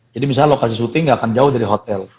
jadi misalnya lokasi shooting ga akan jauh dari hotel